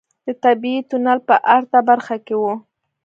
د طبيعي تونل په ارته برخه کې و.